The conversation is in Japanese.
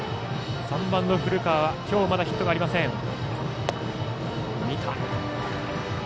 ３番の古川きょう、まだヒットがありません。